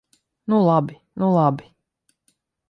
Nu labi, nu labi!